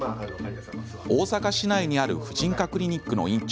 大阪市内にある婦人科クリニックの院長